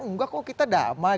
enggak kok kita damai